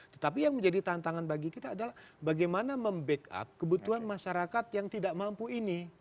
tetapi yang menjadi tantangan bagi kita adalah bagaimana membackup kebutuhan masyarakat yang tidak mampu ini